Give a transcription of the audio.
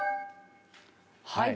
はい。